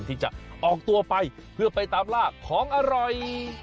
ที่จะออกตัวไปเพื่อไปตามลากของอร่อย